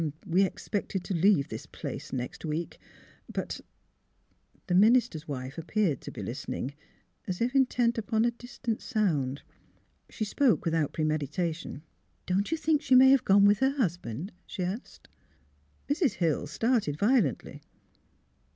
We expected to leave this place next week. But " The minister's wife appeared to be listening, as if intent upon a distant sound. She spoke with out premeditation. 282 THE HEAET OF PHILURA *' Don't you think she may have gone with her husband 1 " she asked. Mrs. Hill started violently.